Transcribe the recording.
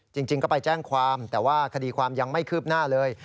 จริงก็ไปแจ้งความแต่ว่าคดีความยังไม่คืบหน้าเลย